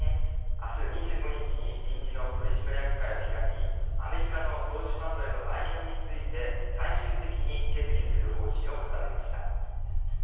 あす２５日に臨時の取締役会を開き、アメリカの投資ファンドへの売却について最終的に決議する方針を固めました。